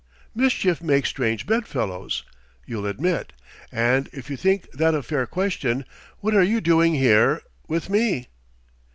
"Mischief makes strange bed fellows, you'll admit. And if you think that a fair question what are you doing here, with me?"